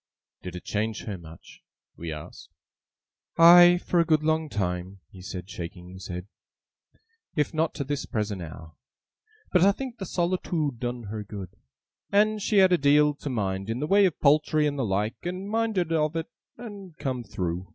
'Did it change her much?' we asked. 'Aye, for a good long time,' he said, shaking his head; 'if not to this present hour. But I think the solitoode done her good. And she had a deal to mind in the way of poultry and the like, and minded of it, and come through.